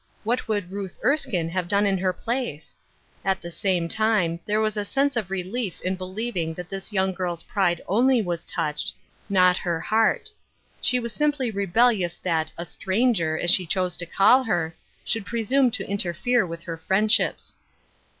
What would Ruth Ers kine have done in her place ? At the same time there was a sense of relief in believing that this young girl's pride only was touched, not he' 164 Ruth Ershine^s Crosses. heart. She was simply rebellious that " a stranger," as she chose to call her, should pre Rume to interfere with her friendships.